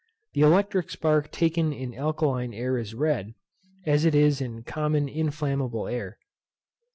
The electric spark taken in alkaline air is red, as it is in common inflammable air.